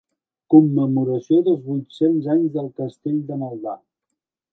Commemoració dels vuit-cents anys del castell de Maldà.